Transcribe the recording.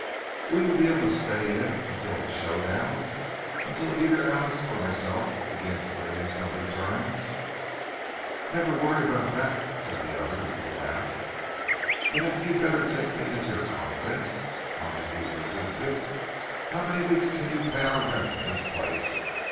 "Will you be able to stay in until the show down? Until either Alice or myself begins to bring in some returns?" "Never worry about that," said the other, with a laugh. "But hadn't you better take me into your confidence?" Montague persisted. "How many weeks can you pay our rent in this place?